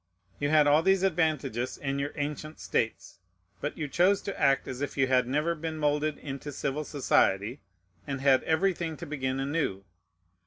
You had all these advantages in your ancient states; but you chose to act as if you had never been moulded into civil society, and had everything to begin anew.